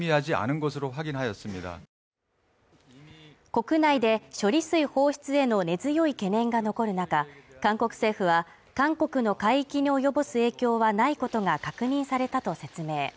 国内で処理水放出への根強い懸念が残る中、韓国政府は韓国の海域に及ぼす影響はないことが確認されたと説明。